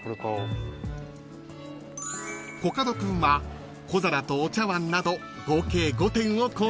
［コカド君は小皿とお茶わんなど合計５点を購入］